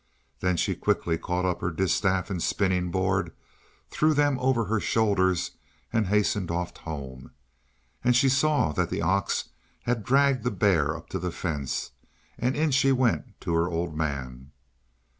Then she quickly caught up her distaff and spinning board, threw them over her shoulders, and hastened off home, and she saw that the ox had dragged the bear up to the fence, and in she went to her old man.